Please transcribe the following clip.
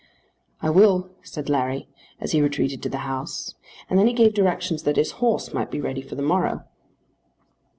"I will," said Larry, as he retreated to the house, and then he gave directions that his horse might be ready for the morrow.